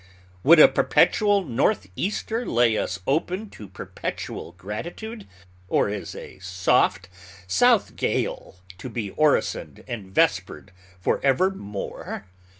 Would a perpetual northeaster lay us open to perpetual gratitude? or is a soft south gale to be orisoned and vespered forevermore?